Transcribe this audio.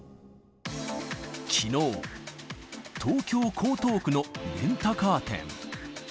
きのう、東京・江東区のレンタカー店。